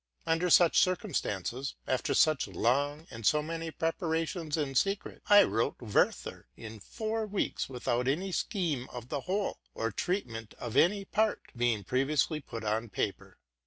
Under such circumstances, after such long and so many preparations in secret, I wrote '' Werther'' in four weeks, without any scheme of the whole, or treatment of any part, being pre viously put on paper.